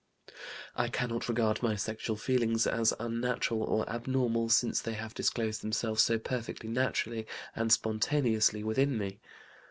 "I cannot regard my sexual feelings as unnatural or abnormal, since they have disclosed themselves so perfectly naturally and spontaneously within me.